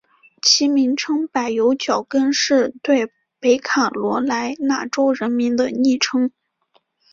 其名称柏油脚跟是对北卡罗来纳州人民的昵称。